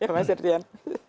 ya mas hendryawan